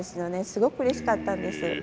すごくうれしかったんです。